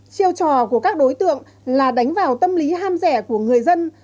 chiêu trò của các đối tượng là đánh vào tâm lý ham rẻ của người dân